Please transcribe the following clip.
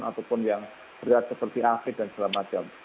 ataupun yang berat seperti aset dan sebagainya